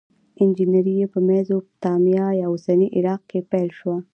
انجنیری په میزوپتامیا یا اوسني عراق کې پیل شوه.